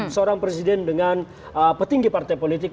seorang presiden dengan petinggi partai politik